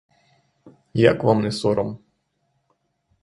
Як вам не сором!